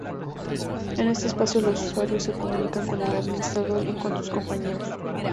En este espacio, los usuarios se comunican con el administrador y con sus compañeros.